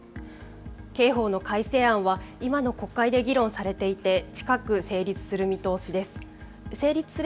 刑法の改正案は、今の国会で議論されていて、近く成立する見通しです。